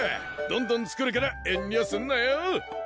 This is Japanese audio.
どんどん作るから遠慮すんなよ！